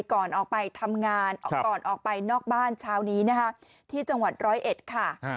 ก่อนออกไปทำงานออกก่อนออกไปนอกบ้านเช้านี้นะคะที่จังหวัดร้อยเอ็ดค่ะ